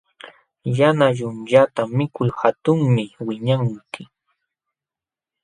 Yana yunyata mikul hatunmi wiñanki.